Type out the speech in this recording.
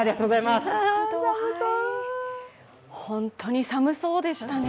ホントに寒そうでしたね。